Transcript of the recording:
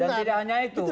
dan tidak hanya itu